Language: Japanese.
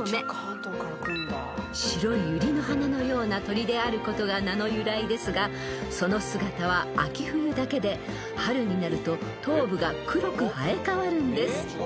［白いユリの花のような鳥であることが名の由来ですがその姿は秋冬だけで春になると頭部が黒く生え替わるんです］